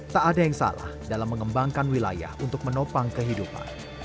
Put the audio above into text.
tak ada yang salah dalam mengembangkan wilayah untuk menopang kehidupan